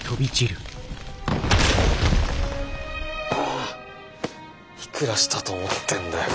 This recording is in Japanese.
あいくらしたと思ってんだよ